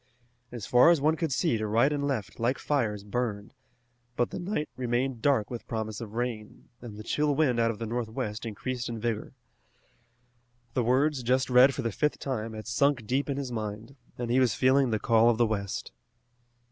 As far as one could see to right and left like fires burned, but the night remained dark with promise of rain, and the chill wind out of the northwest increased in vigor. The words just read for the fifth time had sunk deep in his mind, and he was feeling the call of the west.